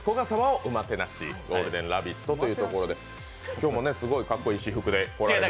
今日もすごいかっこいい私服で来られて。